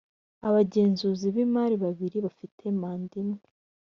abagenzuzi b’imari babiri bafite manda imwe